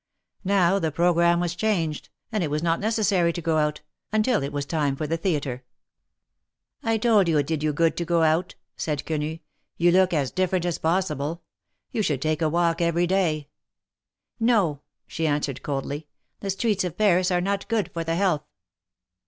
Now the programme was changed, and it was not necessary to go out, until it was time for the theatre. THE MAEKETS OF PARIS. 279 told you it did you good to go out," said Quenu. ^^You look as diiFerent as possible. You should take a walk every day !" '^No," she answered, coldly, ^^the streets of Paris are not good for the health."